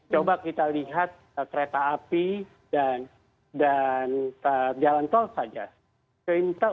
coba kita lihat kereta api dan jalan tol saja